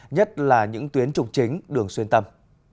nhất là những tuyến trục chính đường xuyên tâm